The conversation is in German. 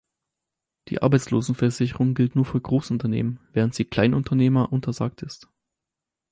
Die Arbeitslosenversicherung gilt nur für Großunternehmen, während sie Kleinunternehmer untersagt ist.